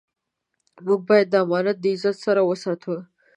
موږ باید دا امانت د عزت سره وساتو.